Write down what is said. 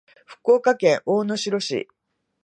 福岡県大野城市